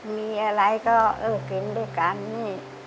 มีอะไรก็เออกินด้วยกันนี่